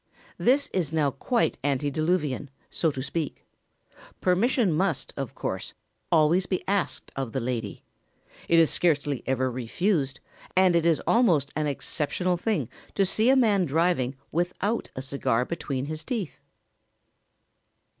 This is now quite antediluvian, so to speak. Permission must, of course, always be asked of the lady. It is scarcely ever refused, and it is almost an exceptional thing to see a man driving without a cigar between his teeth.